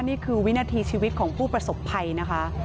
นี่คือวินาทีชีวิตของผู้ประสบภัยนะคะ